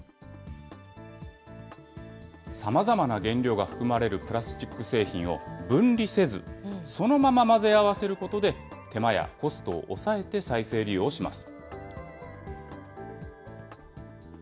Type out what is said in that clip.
さまざまな原料が含まれるプラスチック製品を分離せず、そのまま混ぜ合わせることで、手間やコストを抑えて再生利用します。